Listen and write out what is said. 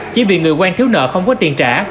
chỉ vì người quen thiếu nợ không có tiền trả